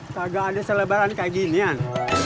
kagak ada selebaran kayak ginian